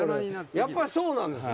やっぱそうなんですね。